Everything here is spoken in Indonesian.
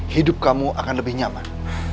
hidup kamu akan lebih nyaman